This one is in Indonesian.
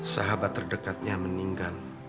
sahabat terdekatnya meninggal